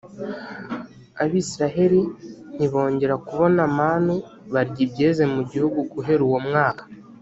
abayisraheli ntibongera kubona manu, barya ibyeze mu gihugu guhera uwo mwaka.